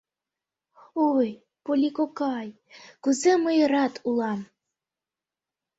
Ой, Полли кокай, кузе мый рат улам!